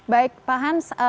baik pak hans